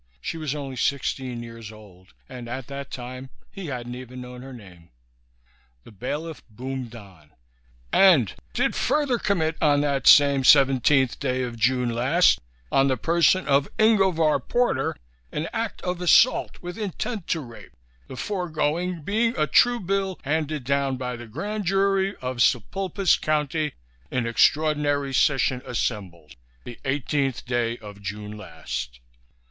She was only sixteen years old, and at that time he hadn't even known her name. The bailiff boomed on: " and Did Further Commit on that Same Seventeenth Day of June Last on the Person of Ingovar Porter an Act of Assault with Intent to Rape, the Foregoing Being a True Bill Handed Down by the Grand Jury of Sepulpas County in Extraordinary Session Assembled, the Eighteenth Day of June Last."